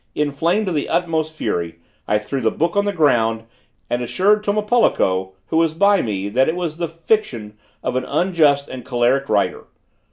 Inflamed to the utmost fury, I threw the book on the ground, and assured Tomopoloko, who was by me, that it was the fiction of an unjust and choleric writer.